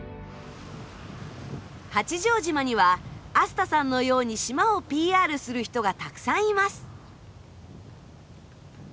八丈島にはアスタさんのように島をＰＲする人がたくさんいます。